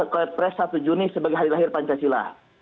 kepres satu juni sebagai hari lahir pancasila